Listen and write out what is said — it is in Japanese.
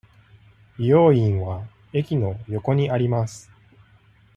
美容院は駅の横にあります。